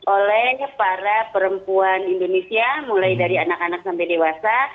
oleh para perempuan indonesia mulai dari anak anak sampai dewasa